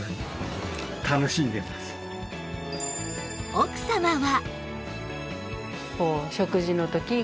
奥様は